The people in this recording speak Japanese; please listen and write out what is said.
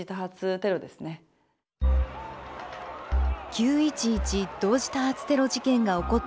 ９．１１同時多発テロ事件が起こったその瞬間